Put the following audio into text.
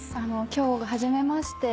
今日が初めまして。